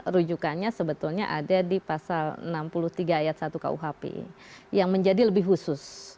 rujukannya sebetulnya ada di pasal enam puluh tiga ayat satu kuhp yang menjadi lebih khusus